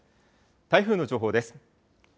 台風の情報です。